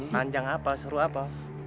panjang apa seru apa